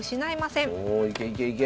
おいけいけいけ！